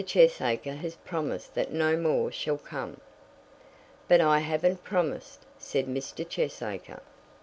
Cheesacre has promised that no more shall come." "But I haven't promised," said Mr. Cheesacre.